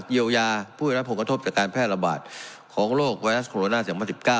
เยียวยาผู้ได้รับผลกระทบจากการแพร่ระบาดของโรคไวรัสโคโรนา๒๐๑๙